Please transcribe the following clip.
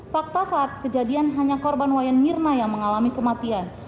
fakta saat kejadian hanya korban wayan mirna yang mengalami kematian